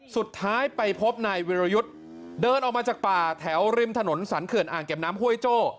สุดท้ายไปพบนายวิรยุทธ์เดินออกมาจากป่าแถวริมถนนสรรเขื่อนอ่างเก็บน้ำห้วยโจ้